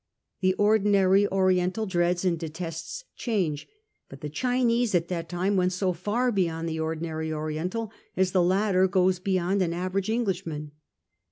The ordi nary Oriental dreads and detests change ; but the Chinese at that time went as far beyond the ordinary Oriental as the latter goes beyond an average English man.